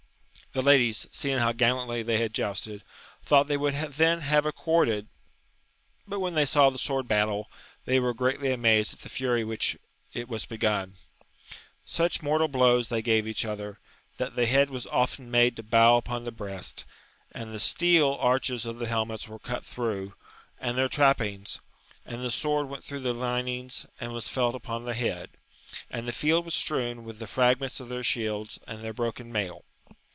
The ladies, seeing how gallantly they had jousted, thought they would then have accorded, but when they saw the sword battle, they were greatly amazed at the fury with which it was begun. Such mortal blows they gave each other, that the head was often made to bow upon the breast, and the steel* arches of the helmets were cut through, and their trappings, and the sword went through the linings and was felt upon the head; and the field was strewn with the fragments of their shields and their broken mail.